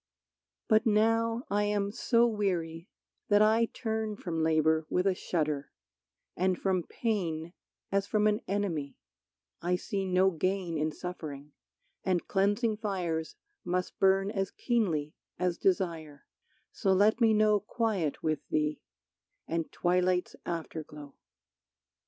But now I am so weary that I turn From labor with a shudder, and from pain As from an enemy; I see no gain In suffering, and cleansing fires must burn As keenly as desire, so let me know Quiet with thee, and twilight's afterglow.